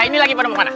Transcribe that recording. ini lagi mau ke mana